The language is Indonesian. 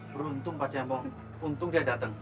beruntung pak cianbong untung dia dateng